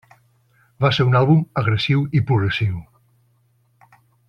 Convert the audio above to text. Va ser un àlbum agressiu i progressiu.